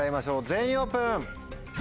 全員オープン！